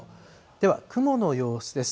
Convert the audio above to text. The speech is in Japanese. では、雲の様子です。